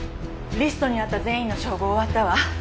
リストにあった全員の照合終わったわ。